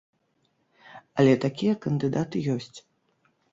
Але такія кандыдаты ёсць.